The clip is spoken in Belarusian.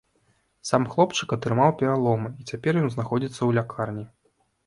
Сам хлопчык атрымаў пераломы, і цяпер ён знаходзіцца ў лякарні.